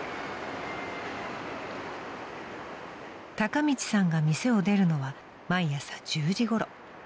［孝道さんが店を出るのは毎朝１０時ごろ］